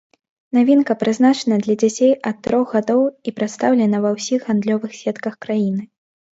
Навінка прызначана для дзяцей ад трох гадоў і прадстаўлена ва ўсіх гандлёвых сетках краіны.